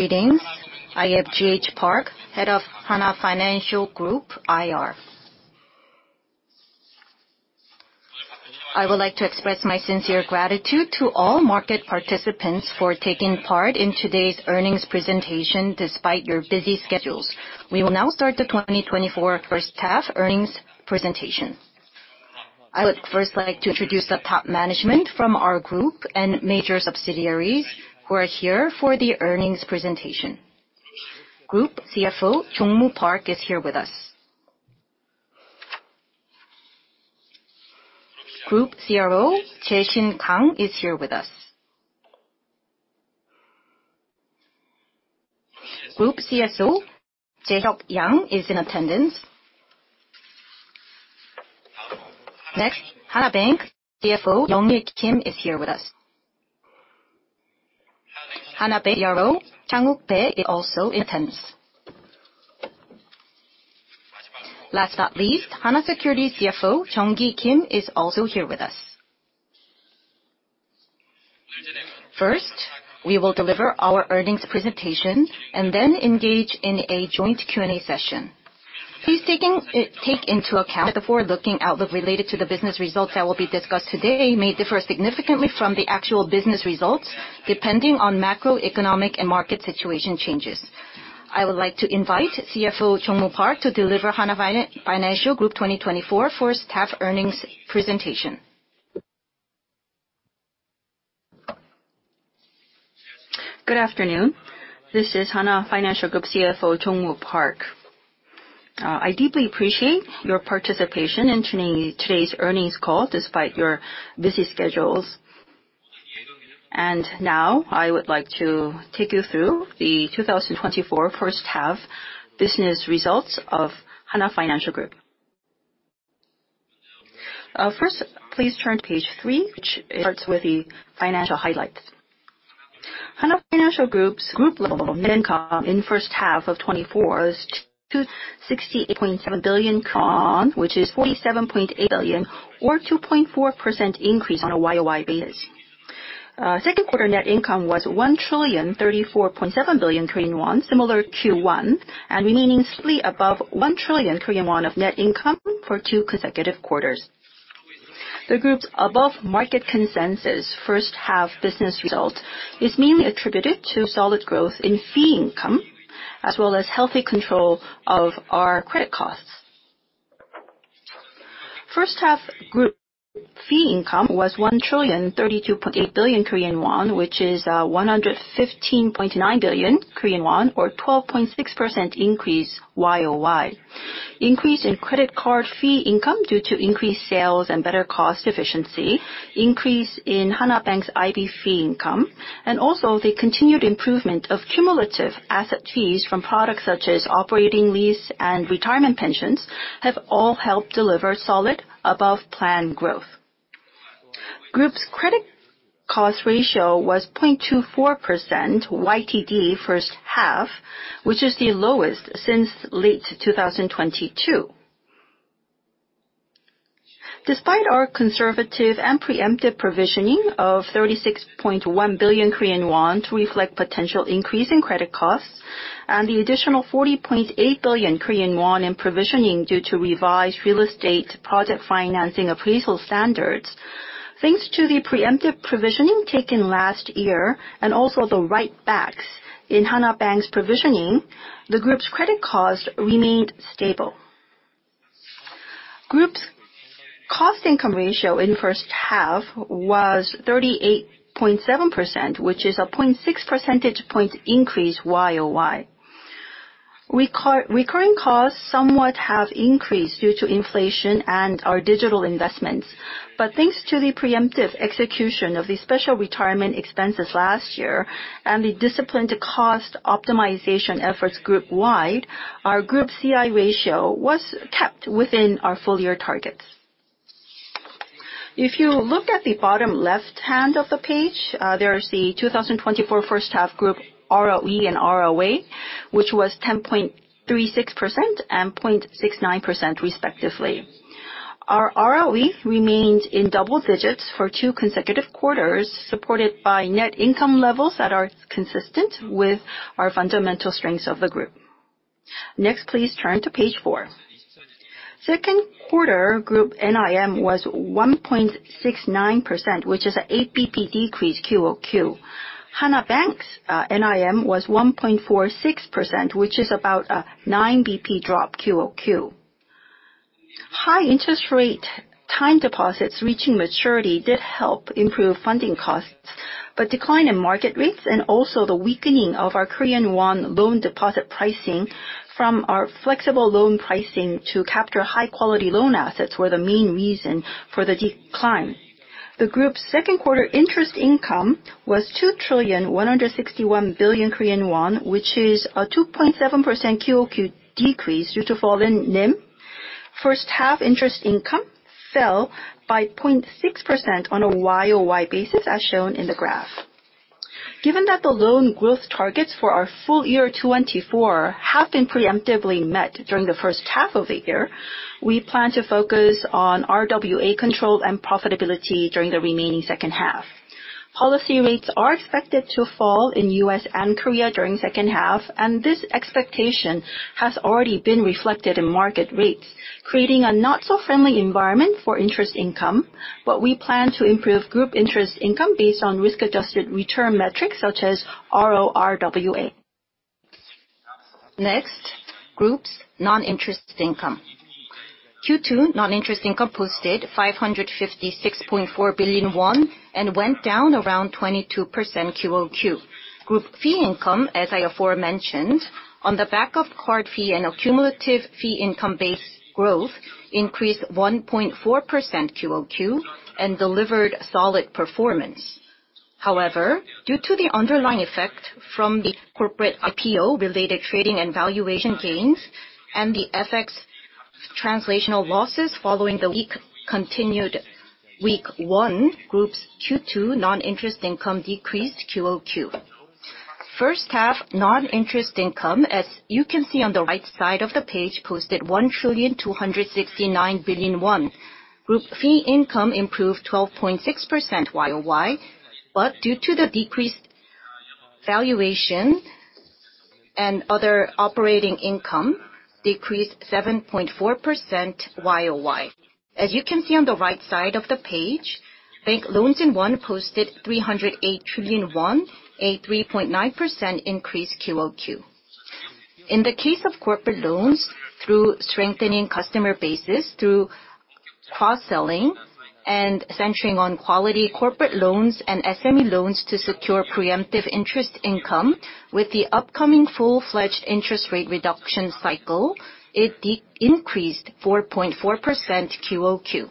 Greetings. I am G.H. Park, head of Hana Financial Group, IR. I would like to express my sincere gratitude to all market participants for taking part in today's earnings presentation despite your busy schedules. We will now start the 2024 first half earnings presentation. I would first like to introduce the top management from our group and major subsidiaries who are here for the earnings presentation. Group CFO Jong-moo Park is here with us. Group CRO Jae-shin Kang is here with us. Group CSO Jae-hyuk Yang is in attendance. Next, Hana Bank CFO Young-il Kim is here with us. Hana Bank CRO Chang-wook Bae is also in attendance. Last but not least, Hana Securities CFO Jeong-ki Kim is also here with us. First, we will deliver our earnings presentation and then engage in a joint Q&A session. Please take into account that the forward-looking outlook related to the business results that will be discussed today may differ significantly from the actual business results depending on macroeconomic and market situation changes. I would like to invite CFO Jong-moo Park to deliver Hana Financial Group 2024 First Half Earnings Presentation. Good afternoon. This is Hana Financial Group CFO Jong-moo Park. I deeply appreciate your participation in today's earnings call despite your busy schedules. Now I would like to take you through the 2024 first half business results of Hana Financial Group. First, please turn to page 3, which starts with the financial highlights. Hana Financial Group's group level net income in first half of 2024 was 268.7 billion, which is 47.8 billion, or a 2.4% increase on a YOY basis. Second quarter net income was 1,034.7 billion Korean won, similar Q1, and remaining slightly above 1 trillion Korean won of net income for 2 consecutive quarters. The group's above-market consensus first half business result is mainly attributed to solid growth in fee income as well as healthy control of our credit costs. First-half group fee income was 1,032.8 billion Korean won, which is 115.9 billion Korean won, or a 12.6% increase YOY. Increase in credit card fee income due to increased sales and better cost efficiency, increase in Hana Bank's IB fee income, and also the continued improvement of cumulative asset fees from products such as operating lease and retirement pensions have all helped deliver solid above-planned growth. Group's credit cost ratio was 0.24% YTD first half, which is the lowest since late 2022. Despite our conservative and preemptive provisioning of 36.1 billion Korean won to reflect potential increase in credit costs and the additional 40.8 billion Korean won in provisioning due to revised real estate project financing appraisal standards, thanks to the preemptive provisioning taken last year and also the write-backs in Hana Bank's provisioning, the group's credit cost remained stable. Group's cost income ratio in first half was 38.7%, which is a 0.6 percentage point increase YOY. Recurring costs somewhat have increased due to inflation and our digital investments, but thanks to the preemptive execution of the special retirement expenses last year and the disciplined cost optimization efforts group wide, our group CI ratio was kept within our full year targets. If you look at the bottom left hand of the page, there is the 2024 first half group ROE and ROA, which was 10.36% and 0.69% respectively. Our ROE remained in double digits for two consecutive quarters, supported by net income levels that are consistent with our fundamental strengths of the group. Next, please turn to page 4. Second quarter group NIM was 1.69%, which is an 8 basis points decrease QOQ. Hana Bank's NIM was 1.46%, which is about a 9 basis points drop QOQ. High interest rate time deposits reaching maturity did help improve funding costs, but decline in market rates and also the weakening of our KRW loan deposit pricing from our flexible loan pricing to capture high-quality loan assets were the main reason for the decline. The group's second quarter interest income was 2,161 billion Korean won, which is a 2.7% QOQ decrease due to falling NIM. First half interest income fell by 0.6% on a YOY basis as shown in the graph. Given that the loan growth targets for our full year 2024 have been preemptively met during the first half of the year, we plan to focus on RWA control and profitability during the remaining second half. Policy rates are expected to fall in the US and Korea during the second half, and this expectation has already been reflected in market rates, creating a not-so-friendly environment for interest income, but we plan to improve group interest income based on risk-adjusted return metrics such as RORWA. Next, group's non-interest income. Q2 non-interest income posted 556.4 billion won and went down around 22% QOQ. Group fee income, as I aforementioned, on the back of card fee and accumulative fee income-based growth, increased 1.4% QOQ and delivered solid performance. However, due to the underlying effect from the corporate IPO-related trading and valuation gains and the FX translational losses following the weak continued won, group's Q2 non-interest income decreased QOQ. First half non-interest income, as you can see on the right side of the page, posted 1,269 billion won. Group fee income improved 12.6% YOY, but due to the decreased valuation and other operating income, decreased 7.4% YOY. As you can see on the right side of the page, bank loans in won posted 308 trillion won, a 3.9% increase QOQ. In the case of corporate loans, through strengthening customer bases through cross-selling and centering on quality corporate loans and SME loans to secure preemptive interest income, with the upcoming full-fledged interest rate reduction cycle, it increased 4.4% QOQ.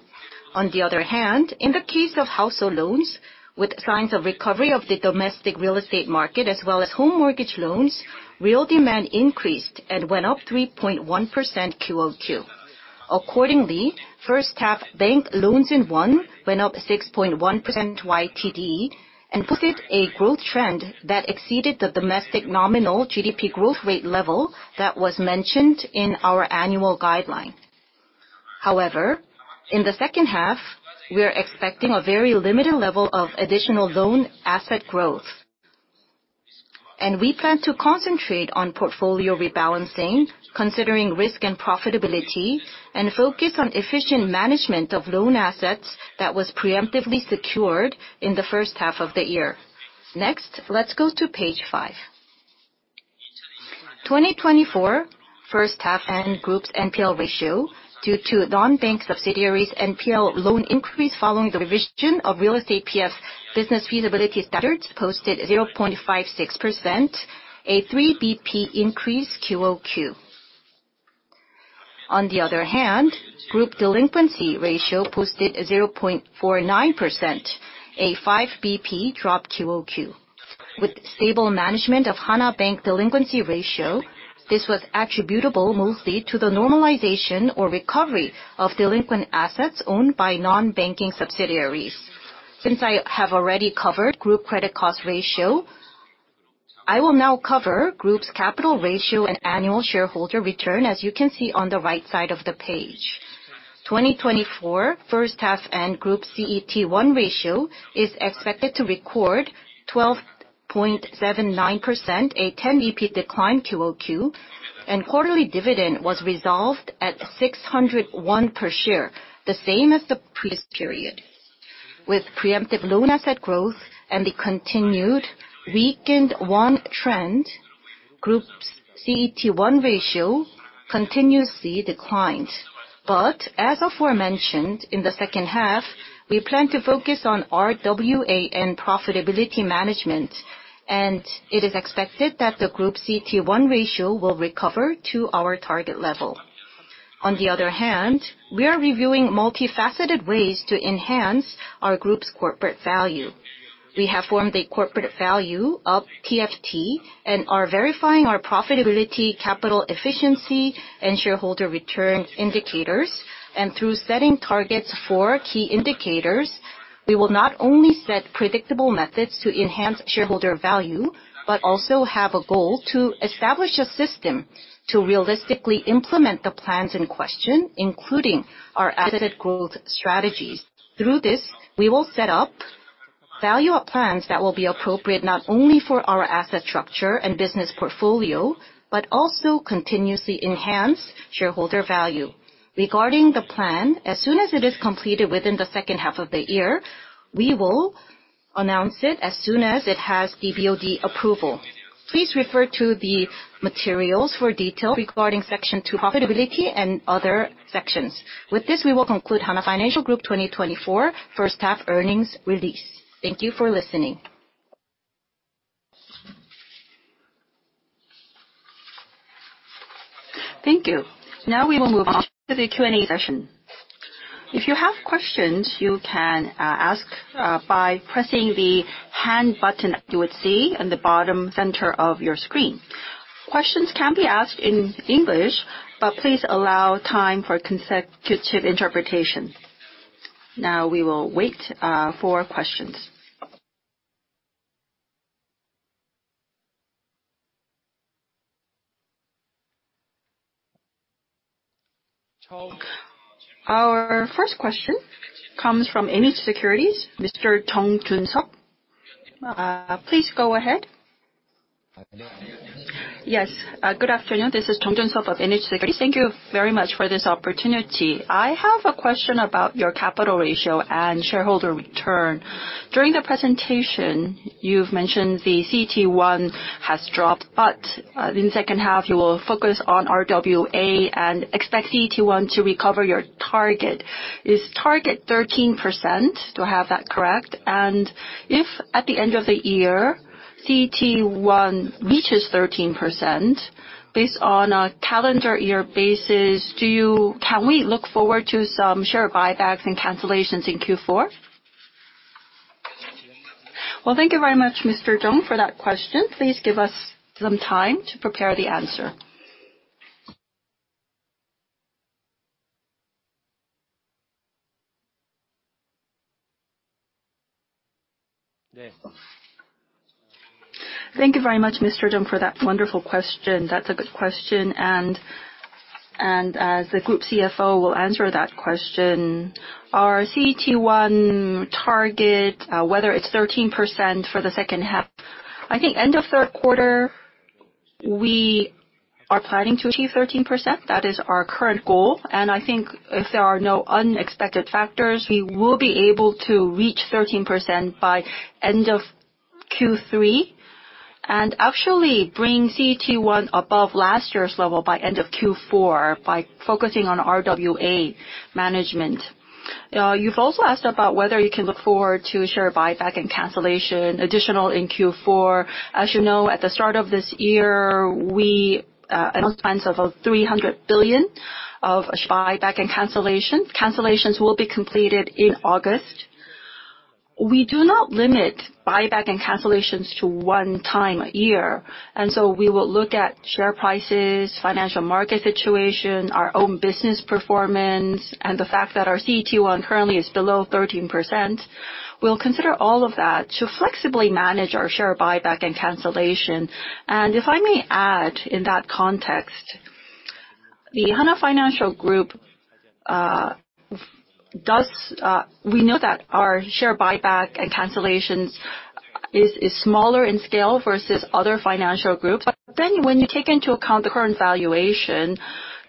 On the other hand, in the case of household loans, with signs of recovery of the domestic real estate market as well as home mortgage loans, real demand increased and went up 3.1% QOQ. Accordingly, first half bank loans in won went up 6.1% YTD and posted a growth trend that exceeded the domestic nominal GDP growth rate level that was mentioned in our annual guideline. However, in the second half, we are expecting a very limited level of additional loan asset growth, and we plan to concentrate on portfolio rebalancing, considering risk and profitability, and focus on efficient management of loan assets that were preemptively secured in the first half of the year. Next, let's go to page five. 2024 first half and group's NPL ratio, due to non-bank subsidiaries' NPL loan increase following the revision of real estate PF business feasibility standards, posted 0.56%, a 3 BP increase QOQ. On the other hand, group delinquency ratio posted 0.49%, a 5 BP drop QOQ. With stable management of Hana Bank delinquency ratio, this was attributable mostly to the normalization or recovery of delinquent assets owned by non-banking subsidiaries. Since I have already covered group credit cost ratio, I will now cover group's capital ratio and annual shareholder return, as you can see on the right side of the page. 2024 first half and group CET1 ratio is expected to record 12.79%, a 10 BP decline QOQ, and quarterly dividend was resolved at 601 won per share, the same as the previous period. With preemptive loan asset growth and the continued weakened won trend, group's CET1 ratio continuously declined. But as aforementioned, in the second half, we plan to focus on RWA and profitability management, and it is expected that the group CET1 ratio will recover to our target level. On the other hand, we are reviewing multifaceted ways to enhance our group's corporate value. We have formed a Corporate Value-up Program and are verifying our profitability, capital efficiency, and shareholder return indicators, and through setting targets for key indicators, we will not only set predictable methods to enhance shareholder value, but also have a goal to establish a system to realistically implement the plans in question, including our asset growth strategies. Through this, we will set up value-up plans that will be appropriate not only for our asset structure and business portfolio, but also continuously enhance shareholder value. Regarding the plan, as soon as it is completed within the second half of the year, we will announce it as soon as it has BOD approval. Please refer to the materials for details regarding Section 2 profitability and other sections. With this, we will conclude Hana Financial Group 2024 first half earnings release. Thank you for listening. Thank you. Now we will move on to the Q&A session. If you have questions, you can ask by pressing the hand button you would see in the bottom center of your screen. Questions can be asked in English, but please allow time for consecutive interpretation. Now we will wait for questions. Our first question comes from NH Investment & Securities, Mr. Jeong Jun-seop. Please go ahead. Yes. Good afternoon. This is Jeong Jun-seop of NH Investment & Securities. Thank you very much for this opportunity. I have a question about your capital ratio and shareholder return. During the presentation, you've mentioned the CET1 has dropped, but in the second half, you will focus on RWA and expect CET1 to recover your target. Is target 13%? Do I have that correct? And if at the end of the year, CET1 reaches 13%, based on a calendar year basis, can we look forward to some share buybacks and cancellations in Q4? Well, thank you very much, Mr. Jeong, for that question. Please give us some time to prepare the answer. Thank you very much, Mr. Jeong, for that wonderful question. That's a good question, and as the Group CFO will answer that question, our CET1 target, whether it's 13% for the second half, I think end of third quarter, we are planning to achieve 13%. That is our current goal, and I think if there are no unexpected factors, we will be able to reach 13% by end of Q3 and actually bring CET1 above last year's level by end of Q4 by focusing on RWA management. You've also asked about whether you can look forward to share buyback and cancellation additional in Q4. As you know, at the start of this year, we announced plans of 300 billion of share buyback and cancellations. Cancellations will be completed in August. We do not limit buyback and cancellations to one time a year, and so we will look at share prices, financial market situation, our own business performance, and the fact that our CET1 currently is below 13%. We'll consider all of that to flexibly manage our share buyback and cancellation. And if I may add, in that context, the Hana Financial Group does we know that our share buyback and cancellations is smaller in scale versus other financial groups, but then when you take into account the current valuation,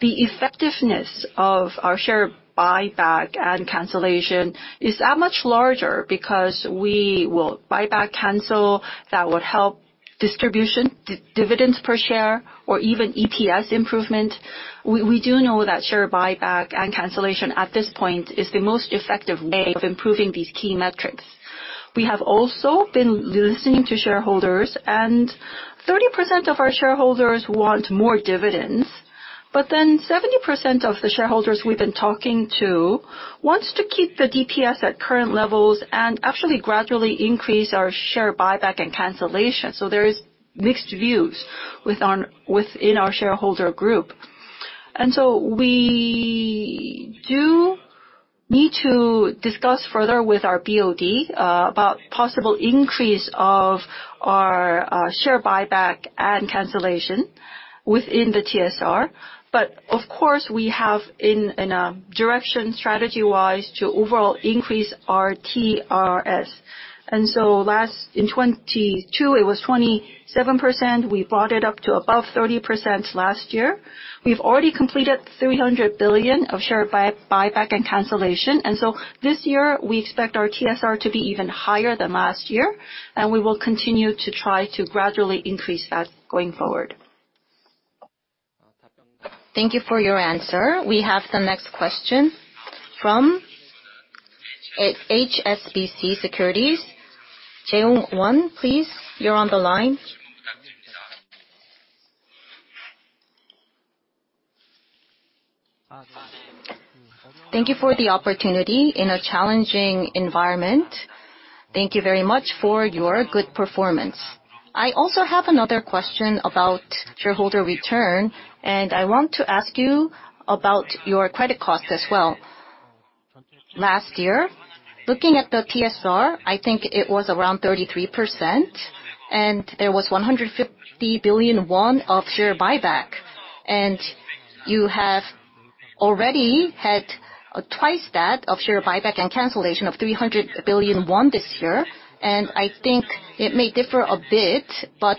the effectiveness of our share buyback and cancellation is that much larger because we will buyback cancel that would help distribution dividends per share or even EPS improvement. We do know that share buyback and cancellation at this point is the most effective way of improving these key metrics. We have also been listening to shareholders, and 30% of our shareholders want more dividends, but then 70% of the shareholders we've been talking to want to keep the DPS at current levels and actually gradually increase our share buyback and cancellation. So there are mixed views within our shareholder group. So we do need to discuss further with our BOD about possible increase of our share buyback and cancellation within the TSR, but of course, we have in a direction strategy-wise to overall increase our TSR. So last in 2022, it was 27%. We brought it up to above 30% last year. We've already completed 300 billion of share buyback and cancellation, and so this year, we expect our TSR to be even higher than last year, and we will continue to try to gradually increase that going forward. Thank you for your answer. We have the next question from HSBC Securities. Jung-won, please, you're on the line. Thank you for the opportunity in a challenging environment. Thank you very much for your good performance. I also have another question about shareholder return, and I want to ask you about your credit cost as well. Last year, looking at the TSR, I think it was around 33%, and there was 150 billion won of share buyback, and you have already had twice that of share buyback and cancellation of 300 billion won this year, and I think it may differ a bit, but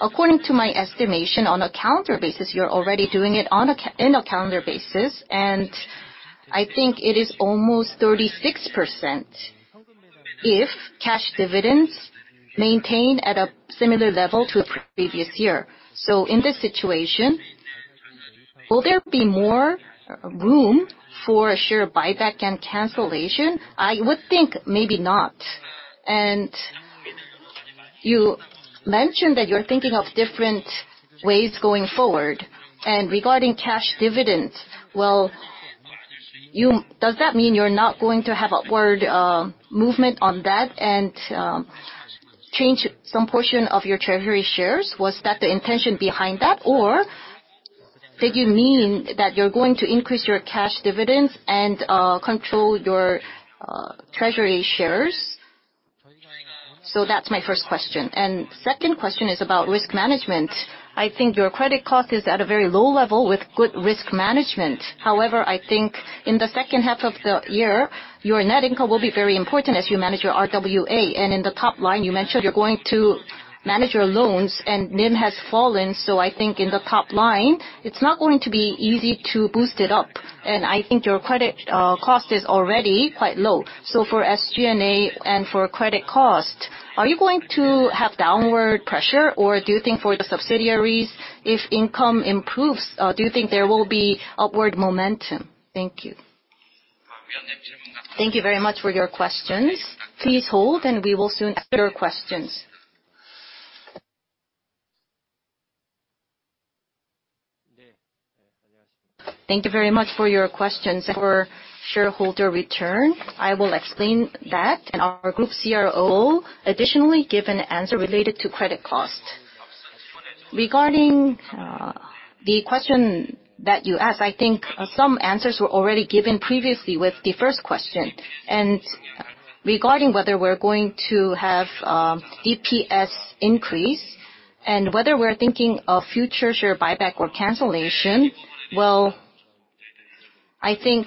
according to my estimation, on a calendar basis, you're already doing it on a calendar basis, and I think it is almost 36% if cash dividends maintain at a similar level to the previous year. So in this situation, will there be more room for share buyback and cancellation? I would think maybe not. You mentioned that you're thinking of different ways going forward, and regarding cash dividends, well, does that mean you're not going to have a forward movement on that and change some portion of your treasury shares? Was that the intention behind that, or did you mean that you're going to increase your cash dividends and control your treasury shares? That's my first question. The second question is about risk management. I think your credit cost is at a very low level with good risk management. However, I think in the second half of the year, your net income will be very important as you manage your RWA, and in the top line, you mentioned you're going to manage your loans, and NIM has fallen, so I think in the top line, it's not going to be easy to boost it up, and I think your credit cost is already quite low. So for SG&A and for credit cost, are you going to have downward pressure, or do you think for the subsidiaries, if income improves, do you think there will be upward momentum? Thank you. Thank you very much for your questions. Please hold, and we will soon ask your questions. Thank you very much for your questions. For shareholder return, I will explain that, and our group CRO will additionally give an answer related to credit cost. Regarding the question that you asked, I think some answers were already given previously with the first question, and regarding whether we're going to have DPS increase and whether we're thinking of future share buyback or cancellation, well, I think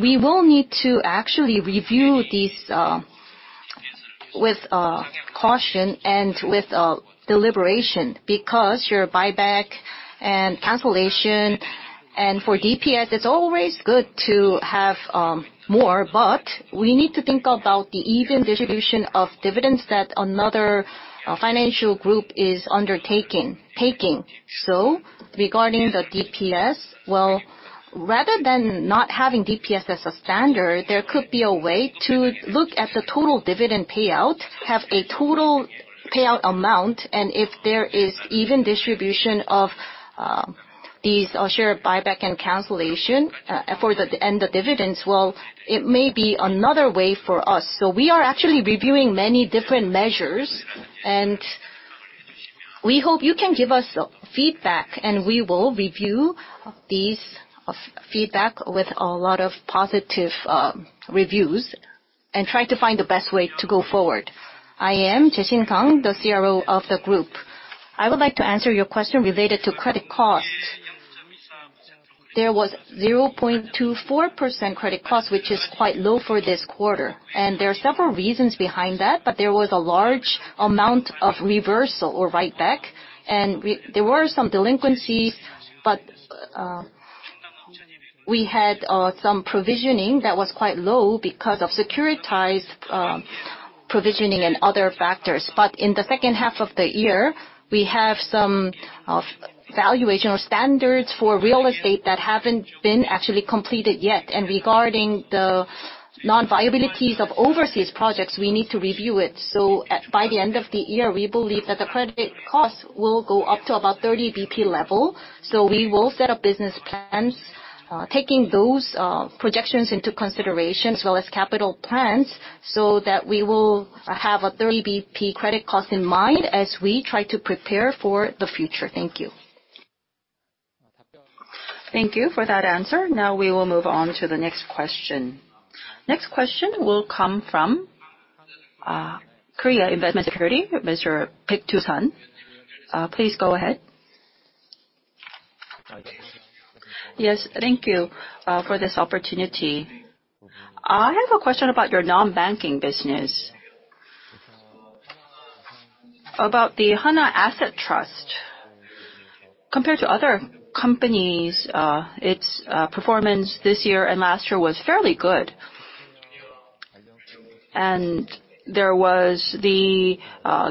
we will need to actually review these with caution and with deliberation because share buyback and cancellation, and for DPS, it's always good to have more, but we need to think about the even distribution of dividends that another financial group is undertaking. So regarding the DPS, well, rather than not having DPS as a standard, there could be a way to look at the total dividend payout, have a total payout amount, and if there is even distribution of these share buyback and cancellation and the dividends, well, it may be another way for us. So we are actually reviewing many different measures, and we hope you can give us feedback, and we will review these feedback with a lot of positive reviews and try to find the best way to go forward. I am Jessie Kang, the CRO of the group. I would like to answer your question related to credit cost. There was 0.24% credit cost, which is quite low for this quarter, and there are several reasons behind that, but there was a large amount of reversal or write-back, and there were some delinquencies, but we had some provisioning that was quite low because of securitized provisioning and other factors. But in the second half of the year, we have some valuation or standards for real estate that haven't been actually completed yet, and regarding the non-viabilities of overseas projects, we need to review it. So by the end of the year, we believe that the credit cost will go up to about 30 BP level, so we will set up business plans, taking those projections into consideration as well as capital plans so that we will have a 30 BP credit cost in mind as we try to prepare for the future. Thank you. Thank you for that answer. Now we will move on to the next question. Next question will come from Korea Investment & Securities, Mr. Baek Doo-san. Please go ahead. Yes, thank you for this opportunity. I have a question about your non-banking business, about the Hana Asset Trust. Compared to other companies, its performance this year and last year was fairly good, and there was the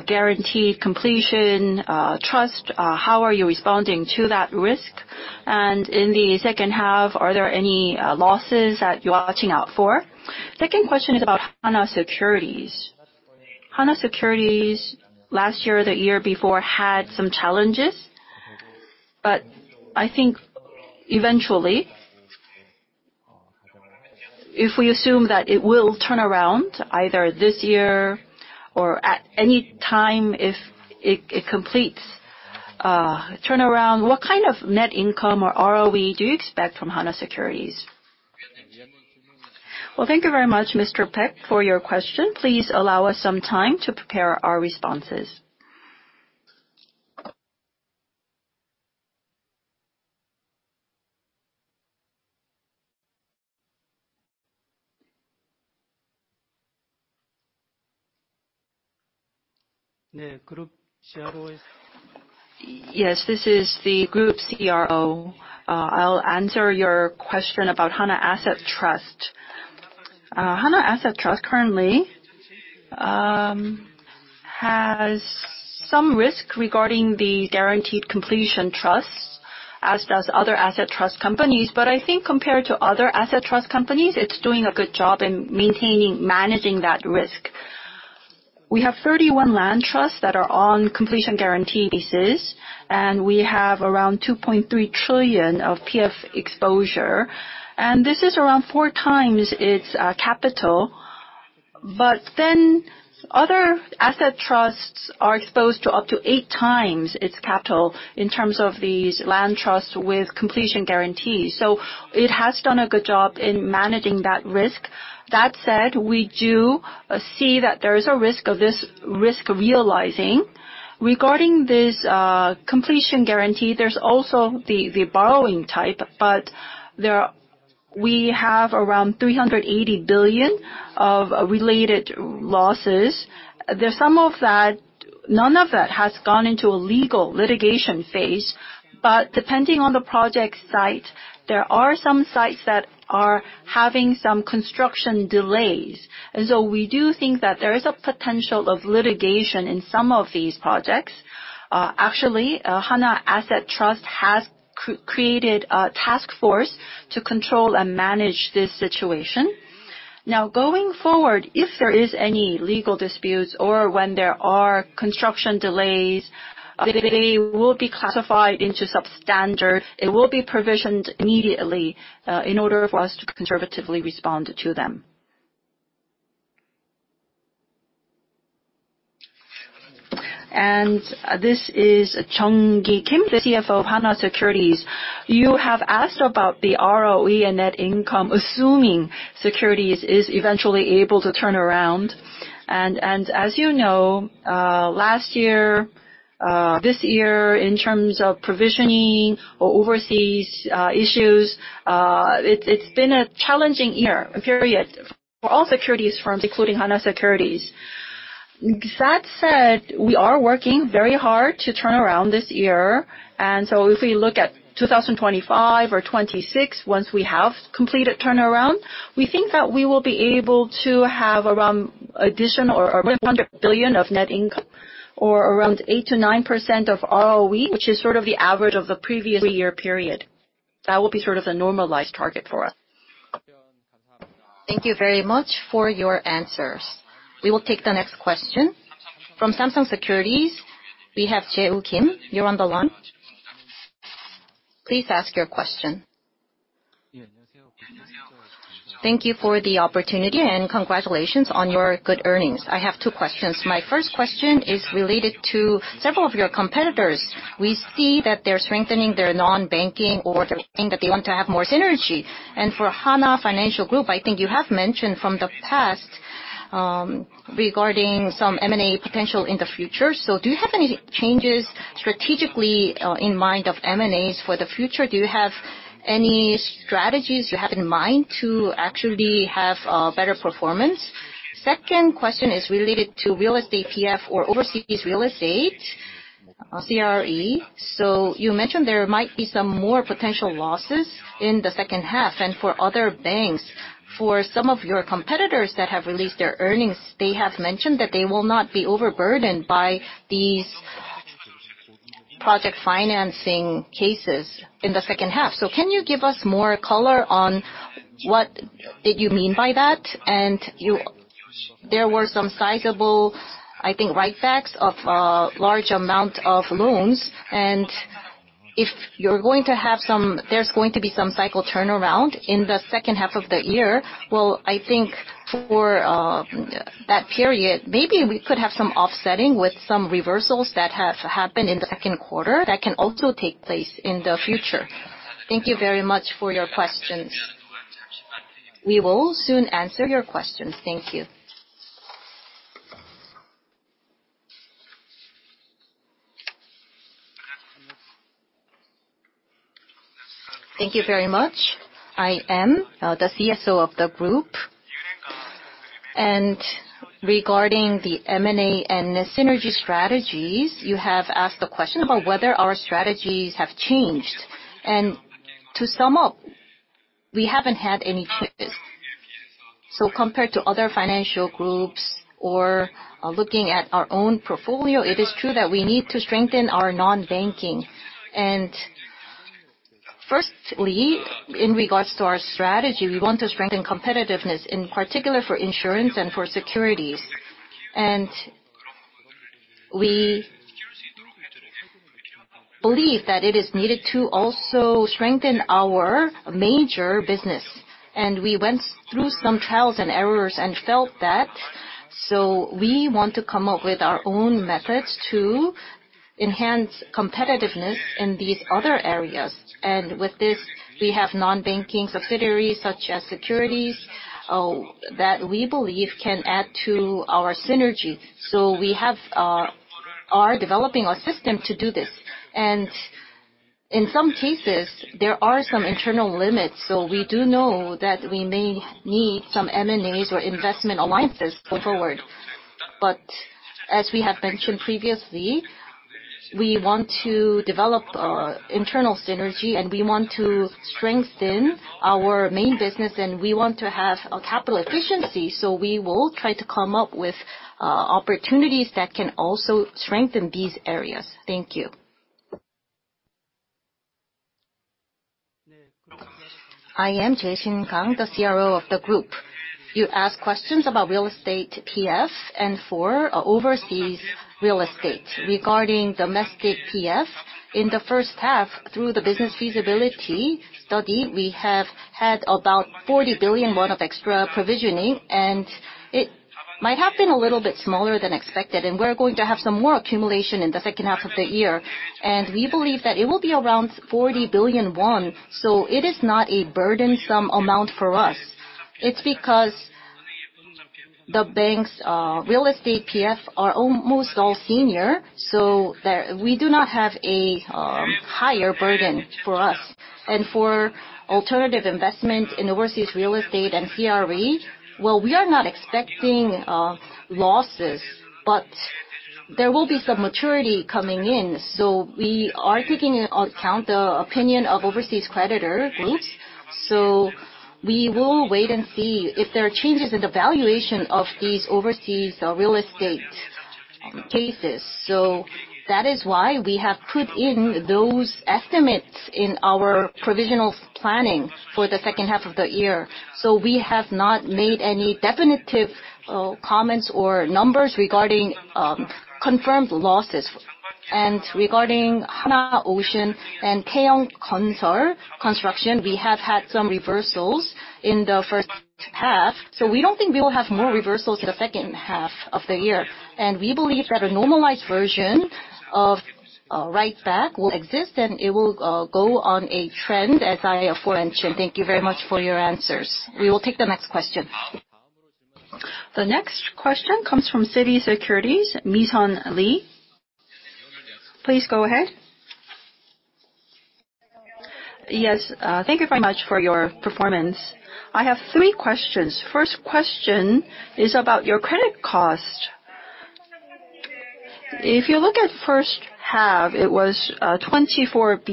Guaranteed Completion Trust. How are you responding to that risk? And in the second half, are there any losses that you're watching out for? Second question is about Hana Securities. Hana Securities last year, the year before, had some challenges, but I think eventually, if we assume that it will turn around either this year or at any time if it completes turnaround, what kind of net income or ROE do you expect from Hana Securities? Well, thank you very much, Mr. Beak, for your question. Please allow us some time to prepare our responses. Yes, this is the group CRO. I'll answer your question about Hana Asset Trust. Hana Asset Trust currently has some risk regarding the Guaranteed Completion Trust, as does other asset trust companies, but I think compared to other asset trust companies, it's doing a good job in maintaining managing that risk. We have 31 land trusts that are on completion guarantee basis, and we have around 2.3 trillion of PF exposure, and this is around 4 times its capital, but then other asset trusts are exposed to up to 8 times its capital in terms of these land trusts with completion guarantees. So it has done a good job in managing that risk. That said, we do see that there is a risk of this risk realizing. Regarding this completion guarantee, there's also the borrowing type, but we have around 380 billion of related losses. None of that has gone into a legal litigation phase, but depending on the project site, there are some sites that are having some construction delays. And so we do think that there is a potential of litigation in some of these projects. Actually, Hana Asset Trust has created a task force to control and manage this situation. Now, going forward, if there are any legal disputes or when there are construction delays, they will be classified into substandard. It will be provisioned immediately in order for us to conservatively respond to them. And this is Kim Jeong-ki, the CFO of Hana Securities. You have asked about the ROE and net income assuming securities is eventually able to turn around. And as you know, last year, this year, in terms of provisioning or overseas issues, it's been a challenging year period for all securities firms, including Hana Securities. That said, we are working very hard to turn around this year, and so if we look at 2025 or 2026, once we have completed turnaround, we think that we will be able to have around additional or 100 billion of net income or around 8%-9% of ROE, which is sort of the average of the previous three-year period. That will be sort of the normalized target for us. Thank you very much for your answers. We will take the next question. From Samsung Securities, we have Kim Jae-woo. You're on the line. Please ask your question. Thank you for the opportunity and congratulations on your good earnings. I have two questions. My first question is related to several of your competitors. We see that they're strengthening their non-banking or they're saying that they want to have more synergy. For Hana Financial Group, I think you have mentioned from the past regarding some M&A potential in the future. Do you have any changes strategically in mind of M&As for the future? Do you have any strategies you have in mind to actually have better performance? Second question is related to real estate PF or overseas real estate CRE. You mentioned there might be some more potential losses in the second half and for other banks. For some of your competitors that have released their earnings, they have mentioned that they will not be overburdened by these project financing cases in the second half. Can you give us more color on what did you mean by that? There were some sizable, I think, write-backs of a large amount of loans, and if you're going to have some, there's going to be some cycle turnaround in the second half of the year. Well, I think for that period, maybe we could have some offsetting with some reversals that have happened in the second quarter that can also take place in the future. Thank you very much for your questions. We will soon answer your questions. Thank you. Thank you very much. I am the CFO of the group. And regarding the M&A and synergy strategies, you have asked a question about whether our strategies have changed. And to sum up, we haven't had any changes. So compared to other financial groups or looking at our own portfolio, it is true that we need to strengthen our non-banking. Firstly, in regards to our strategy, we want to strengthen competitiveness, in particular for insurance and for securities. We believe that it is needed to also strengthen our major business. We went through some trials and errors and felt that. We want to come up with our own methods to enhance competitiveness in these other areas. With this, we have non-banking subsidiaries such as securities that we believe can add to our synergy. We are developing a system to do this. In some cases, there are some internal limits. We do know that we may need some M&As or investment alliances going forward. But as we have mentioned previously, we want to develop internal synergy, and we want to strengthen our main business, and we want to have capital efficiency. So we will try to come up with opportunities that can also strengthen these areas. Thank you. I am Kang Jae-shin, the CRO of the group. You asked questions about real estate PF and for overseas real estate. Regarding domestic PF, in the first half, through the business feasibility study, we have had about 40 billion won of extra provisioning, and it might have been a little bit smaller than expected, and we're going to have some more accumulation in the second half of the year. And we believe that it will be around 40 billion won, so it is not a burdensome amount for us. It's because the banks' real estate PF are almost all senior, so we do not have a higher burden for us. For alternative investment in overseas real estate and CRE, well, we are not expecting losses, but there will be some maturity coming in. We are taking into account the opinion of overseas creditor groups. We will wait and see if there are changes in the valuation of these overseas real estate cases. That is why we have put in those estimates in our provisional planning for the second half of the year. We have not made any definitive comments or numbers regarding confirmed losses. Regarding Hanwha Ocean and Taeyoung E&C, we have had some reversals in the first half. We don't think we will have more reversals in the second half of the year. We believe that a normalized version of write-back will exist, and it will go on a trend, as I aforementioned. Thank you very much for your answers. We will take the next question. The next question comes from Citigroup Global Markets Korea Securities, Lee Mi-seon. Please go ahead. Yes, thank you very much for your performance. I have three questions. First question is about your credit cost. If you look at first half, it was 28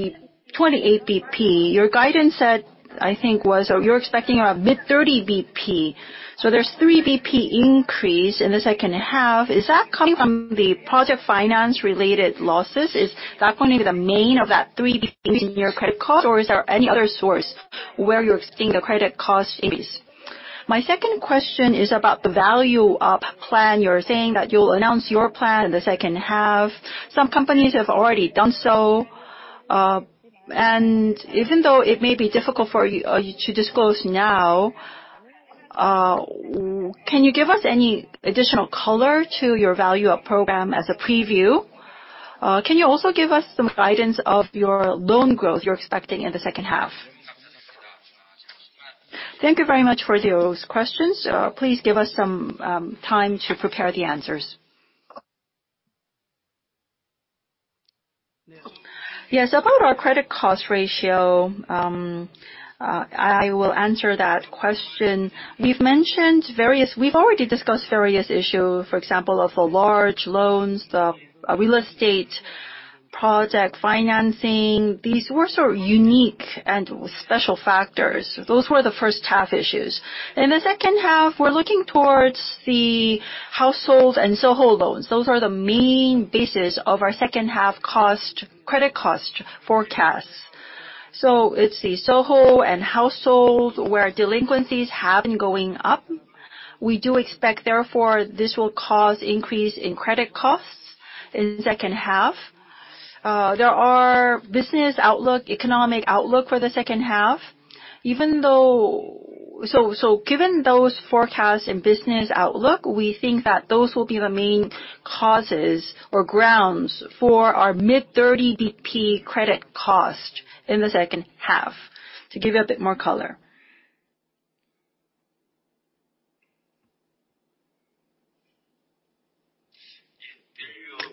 BP. Your guidance said, I think, was you're expecting around mid-30 BP. So there's 3 BP increase in the second half. Is that coming from the project finance-related losses? Is that going to be the main of that 3 BP in your credit cost, or is there any other source where you're expecting the credit cost increase? My second question is about the value-up plan. You're saying that you'll announce your plan in the second half. Some companies have already done so. Even though it may be difficult for you to disclose now, can you give us any additional color to your value-up program as a preview? Can you also give us some guidance of your loan growth you're expecting in the second half? Thank you very much for those questions. Please give us some time to prepare the answers. Yes, about our credit cost ratio, I will answer that question. We've already discussed various issues, for example, of the large loans, the real estate project financing. These were sort of unique and special factors. Those were the first half issues. In the second half, we're looking towards the household and SOHO loans. Those are the main basis of our second half credit cost forecasts. So it's the SOHO and household where delinquencies have been going up. We do expect, therefore, this will cause an increase in credit costs in the second half. There are business outlook, economic outlook for the second half. So given those forecasts and business outlook, we think that those will be the main causes or grounds for our mid-30 basis points credit cost in the second half, to give you a bit more color.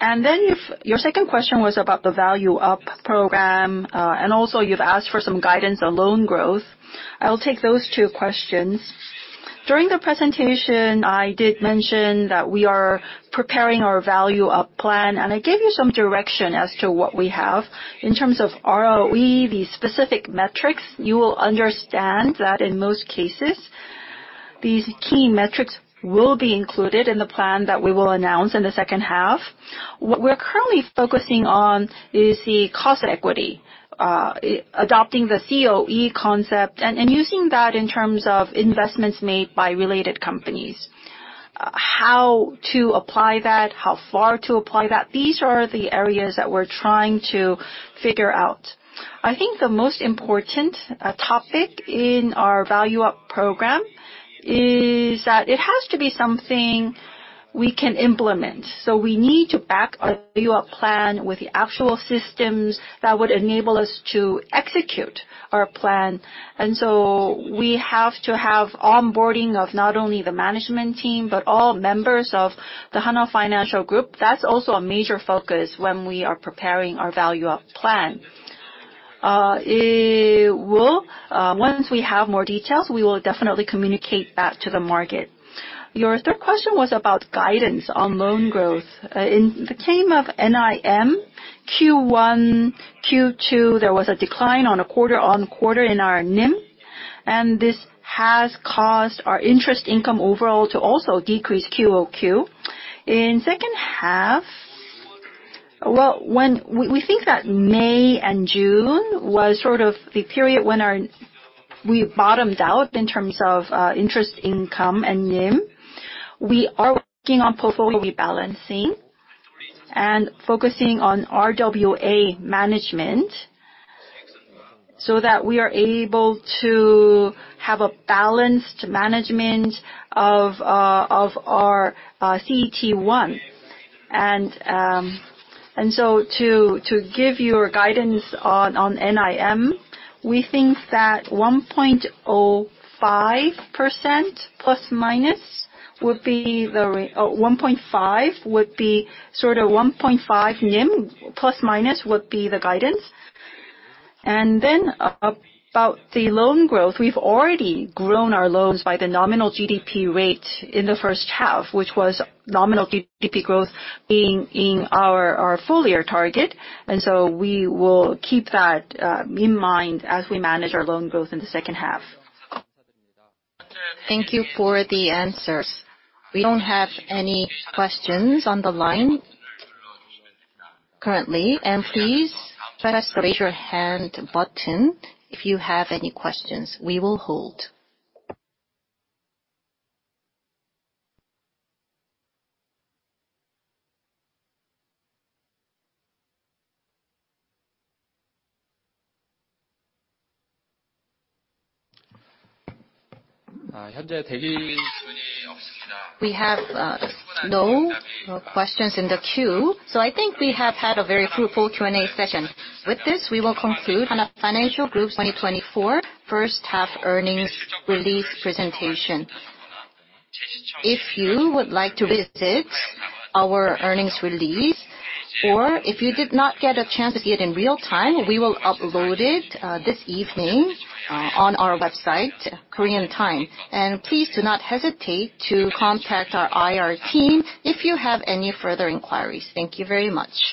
And then your second question was about the value-up program, and also you've asked for some guidance on loan growth. I'll take those two questions. During the presentation, I did mention that we are preparing our value-up plan, and I gave you some direction as to what we have. In terms of ROE, the specific metrics, you will understand that in most cases, these key metrics will be included in the plan that we will announce in the second half. What we're currently focusing on is the cost equity, adopting the COE concept, and using that in terms of investments made by related companies. How to apply that, how far to apply that, these are the areas that we're trying to figure out. I think the most important topic in our value-up program is that it has to be something we can implement. So we need to back our value-up plan with the actual systems that would enable us to execute our plan. And so we have to have onboarding of not only the management team, but all members of the Hana Financial Group. That's also a major focus when we are preparing our value-up plan. Once we have more details, we will definitely communicate that to the market. Your third question was about guidance on loan growth. In the case of NIM Q1, Q2, there was a decline quarter-over-quarter in our NIM, and this has caused our interest income overall to also decrease QOQ. In second half, well, we think that May and June was sort of the period when we bottomed out in terms of interest income and NIM. We are working on portfolio rebalancing and focusing on RWA management so that we are able to have a balanced management of our CET1. And so to give you guidance on NIM, we think that 1.95% plus minus would be sort of 1.95% NIM plus minus would be the guidance. And then about the loan growth, we've already grown our loans by the nominal GDP rate in the first half, which was nominal GDP growth being our full-year target. So we will keep that in mind as we manage our loan growth in the second half. Thank you for the answers. We don't have any questions on the line currently. Please press the raise-your-hand button if you have any questions. We will hold. We have no questions in the queue. So I think we have had a very fruitful Q&A session. With this, we will conclude Hana Financial Group's 2024 first-half earnings release presentation. If you would like to visit our earnings release, or if you did not get a chance to see it in real time, we will upload it this evening on our website, Korea time. Please do not hesitate to contact our IR team if you have any further inquiries. Thank you very much.